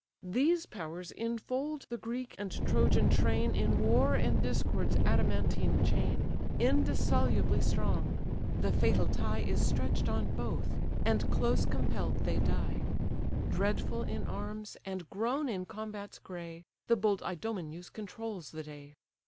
These powers enfold the Greek and Trojan train In war and discord's adamantine chain, Indissolubly strong: the fatal tie Is stretch'd on both, and close compell'd they die. Dreadful in arms, and grown in combats grey, The bold Idomeneus controls the day.